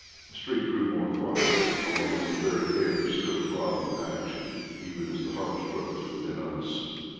The street grew more quiet, although the very air still throbbed with action, even as the heart strokes within us.